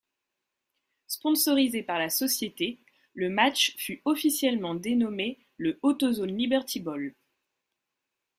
Sponsorisé par la société , le match fut officiellement dénommé le AutoZone Liberty Bowl.